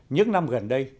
những năm gần đây